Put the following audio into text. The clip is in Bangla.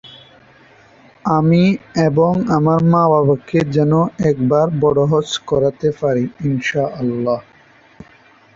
এরপর থেকে নিয়মিতভাবে খেলতে থাকেন।